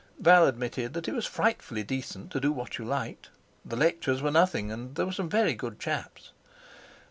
Val admitted that it was frightfully decent to do what you liked; the lectures were nothing; and there were some very good chaps.